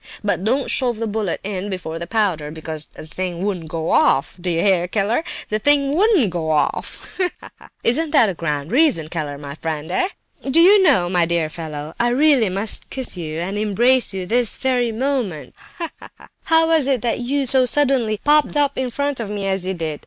But don't shove the bullet in before the powder, because the thing wouldn't go off—do you hear, Keller, the thing wouldn't go off! Ha, ha, ha! Isn't that a grand reason, Keller, my friend, eh? Do you know, my dear fellow, I really must kiss you, and embrace you, this very moment. Ha, ha! How was it you so suddenly popped up in front of me as you did?